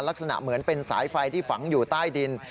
ลักษณะเหมือนเป็นสายไฟที่ฝังอยู่ใต้ดิน